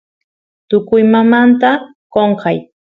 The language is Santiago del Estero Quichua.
tukuymamnta qonqay